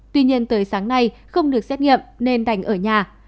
tuy nhiên tới sáng nay không được xét nghiệm nên đành ở nhà